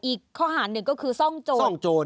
อีกข้อหารหนึ่งก็คือซ่องโจร